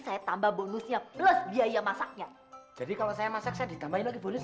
saya tambah bonusnya plus biaya masaknya jadi kalau saya masak saya ditambahin lagi bonus